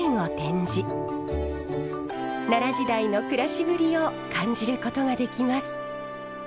奈良時代の暮らしぶりを感じることができます。